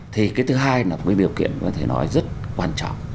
thì cái thứ hai là một cái điều kiện có thể nói rất quan trọng